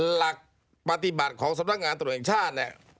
หลักปฏิบัติของสำนักงานตรวจแห่งชาติเนี่ย